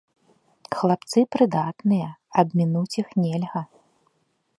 Хлапцы прыдатныя, абмінуць іх нельга.